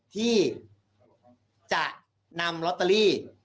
ที่จะนำลอตเตอรี่